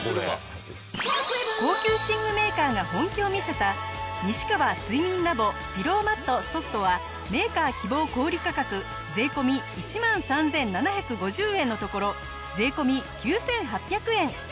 高級寝具メーカーが本気を見せた西川睡眠ＬａｂｏピローマットＳｏｆｔはメーカー希望小売価格税込１万３７５０円のところ税込９８００円。